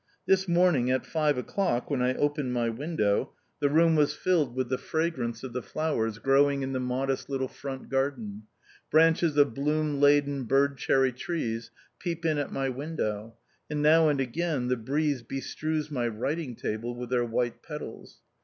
This morning at five o'clock, when I opened my window, the room was filled with the fragrance of the flowers growing in the modest little front garden. Branches of bloom laden bird cherry trees peep in at my window, and now and again the breeze bestrews my writing table with their white petals.